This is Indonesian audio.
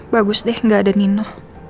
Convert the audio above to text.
bagus deh nggak ada nino